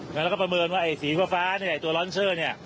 แล้วก็ประเมินว่าไอ้สีฟ้าเนี่ยตัวลอนเซอร์เนี่ย